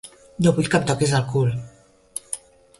No vull que em toquis el cul.